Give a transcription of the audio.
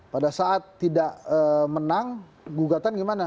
pada saat tidak menang gugatan gimana